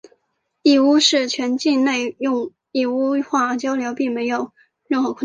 义乌市全境内用义乌话交流没有任何困难。